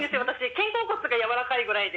肩甲骨がやわらかいぐらいで。